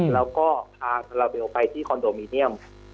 แล้วก็พาลาลาเบลไปที่คอนโดมิเนียม